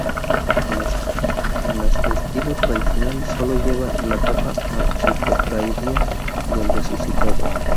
En las de "estilo tradicional", solo lleva capa la Archicofradía del Resucitado.